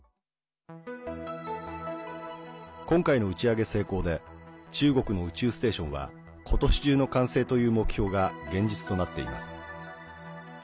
今回の打ち上げ成功で中国の宇宙ステーションは今年中の完成という目標が現実となっています。